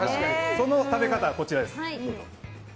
その食べ方がこちらです。